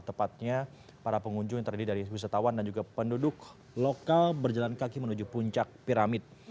tepatnya para pengunjung yang terdiri dari wisatawan dan juga penduduk lokal berjalan kaki menuju puncak piramid